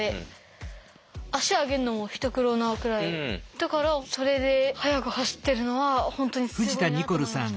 だからそれで速く走ってるのは本当にすごいなと思いました。